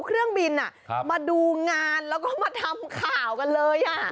เครื่องบินมาดูงานแล้วก็มาทำข่าวกันเลย